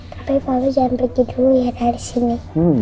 tapi kalau jangan pergi dulu ya dari sini